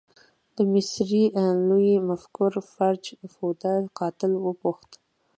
د مصري لوی مفکر فرج فوده قاتل وپوښت.